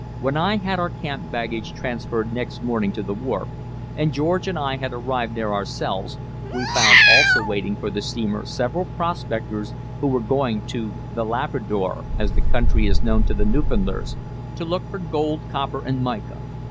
When I had our camp baggage transferred next morning to the wharf, and George and I had arrived there ourselves, we found also waiting for the steamer several prospectors who were going to "The Labrador," as the country is known to the Newfoundlanders, to look for gold, copper, and mica.